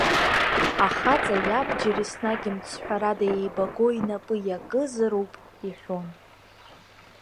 Ахаҵа иабџьар еснагь мцҳәарада еибаго инапы иакызароуп, иҳәон.